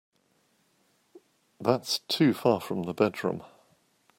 That's too far from the bedroom.